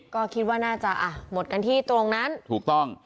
ก็คิดว่าน่าจะอ่ะหมดกันที่ตรงนั้นถูกต้อง